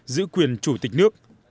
giữ quyền chủ tịch nước